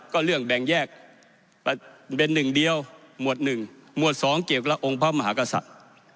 ก็เรื่องแบ่งแยกเป็นหนึ่งเดียวหมวด๑หมวด๒เกี่ยวกับองค์พระมหากษัตริย์